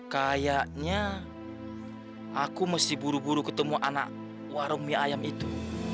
kayaknya aku mesti buru buru ketemu anak warung mie ayam itu